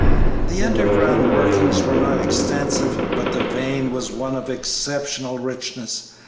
The underground workings were not extensive, but the vein was one of exceptional richness.